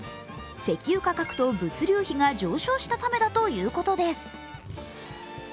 石油価格と物流費が上昇したためだということです。